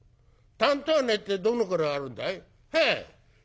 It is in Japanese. たんとはねえってどのくらいあるんだい？」。